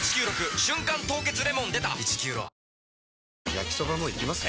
焼きソバもいきます？